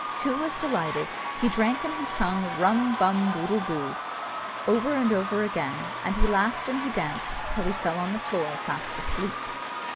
Coo was delighted: he drank and he sung Rum bum boodle boo over and over again; and he laughed and he danced, till he fell on the floor fast asleep.